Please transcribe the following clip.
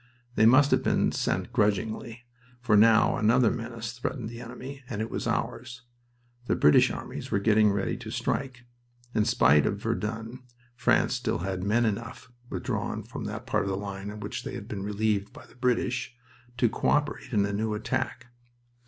They must have been sent grudgingly, for now another menace threatened the enemy, and it was ours. The British armies were getting ready to strike. In spite of Verdun, France still had men enough withdrawn from that part of the line in which they had been relieved by the British to co operate in a new attack.